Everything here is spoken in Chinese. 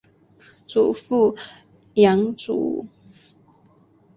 祖父杨祖武。